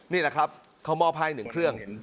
นี่แหละครับเขามอบให้๑เครื่อง